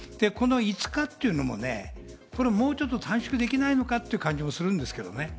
この５日っていうのも、もうちょっと短縮できないのかっていう感じもするんですけどね。